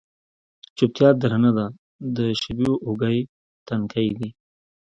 چوپتیا درنه ده د شېبو اوږې، تنکۍ دی